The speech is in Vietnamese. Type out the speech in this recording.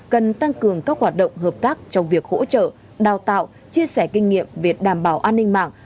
cần tăng cường các hoạt động hợp tác trong việc hỗ trợ đào tạo chia sẻ kinh nghiệm về đảm bảo an ninh mạng